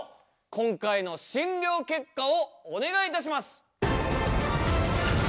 今回の診療結果をお願いいたします！